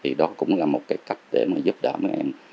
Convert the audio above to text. thì đó cũng là một cái cách để mà giúp đỡ mấy em